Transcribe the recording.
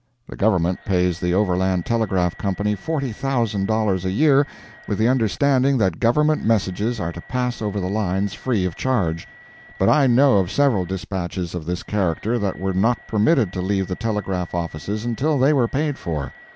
The Government pays the Overland Telegraph Company $40,000 a year, with the understanding that Government messages are to pass over the lines free of charge—but I know of several dispatches of this character that were not permitted to leave the telegraph offices until they were paid for.